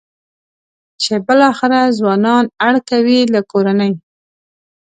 چې بالاخره ځوانان اړ کوي له کورنۍ.